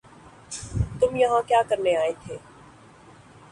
تم یہاں کیا کرنے آئے تھے